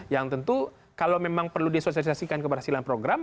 yang tentu kalau memang perlu disosialisasikan keberhasilan program